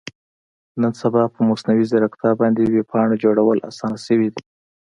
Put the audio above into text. نن سبا په مصنوي ځیرکتیا باندې ویب پاڼه جوړول اسانه شوي دي.